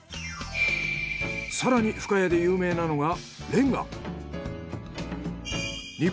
更に深谷で有名なのがレンガ。